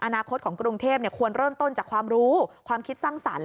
อนาคตของกรุงเทพควรเริ่มต้นจากความรู้ความคิดสร้างสรรค์